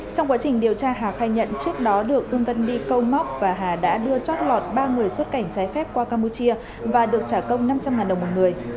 trong quá trình điều tra hà khai nhận trước đó được un đi câu móc và hà đã đưa chót lọt ba người xuất cảnh trái phép qua campuchia và được trả công năm trăm linh đồng một người